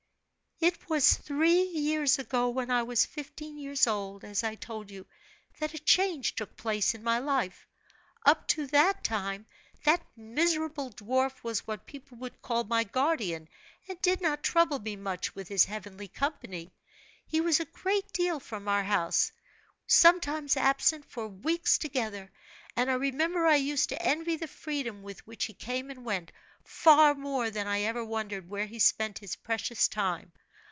"It was three years ago when I was fifteen years old, as I told you, that a change took place in my life. Up to that time, that miserable dwarf was what people would call my guardian, and did not trouble me much with his heavenly company. He was a great deal from our house, sometimes absent for weeks together; and I remember I used to envy the freedom with which he came and went, far more than I ever wondered where he spent his precious time.